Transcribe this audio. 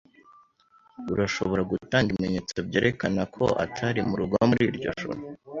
Urashobora gutanga ibimenyetso byerekana ko atari murugo muri iryo joro?